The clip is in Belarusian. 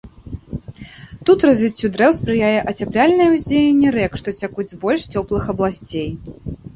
Тут развіццю дрэў спрыяе ацяпляльнае ўздзеянне рэк, што цякуць з больш цёплых абласцей.